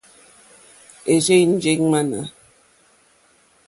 É rzènjé ŋmánà.